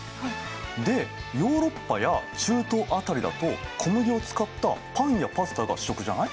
でヨーロッパや中東辺りだと小麦を使ったパンやパスタが主食じゃない？